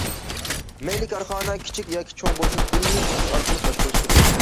مەيلى كارخانا كىچىك ياكى چوڭ بولسۇن ئىلمىي ئۇسۇل ئارقىلىق باشقۇرۇش كېرەك.